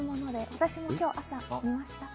私も今日、朝見ました。